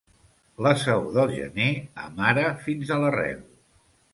La saó del gener amara fins a l'arrel.